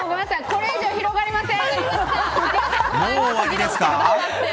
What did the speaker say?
これ以上広がりません。